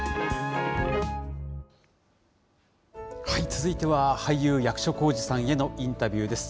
続いては、俳優、役所広司さんへのインタビューです。